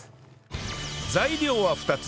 材料は２つ